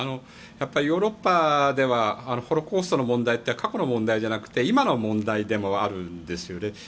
ヨーロッパではホロコーストの問題って過去の問題ではなくて今の問題でもあるんですよね。